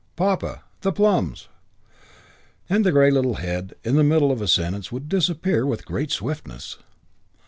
"Papa, the plums!" and the grey little head, in the middle of a sentence, would disappear with great swiftness.